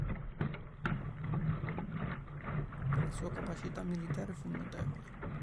La sua capacità militare fu notevole.